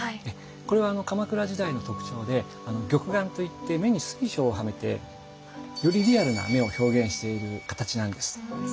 これは鎌倉時代の特徴で玉眼と言って目に水晶をはめてよりリアルな目を表現している形なんです。